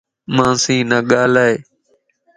مانسين نه ڳالھائي